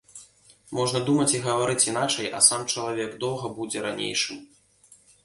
Можна думаць і гаварыць іначай, а сам чалавек доўга будзе ранейшым.